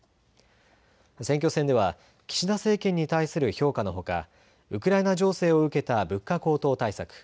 選挙戦では岸田政権に対する評価のほかウクライナ情勢を受けた物価高騰対策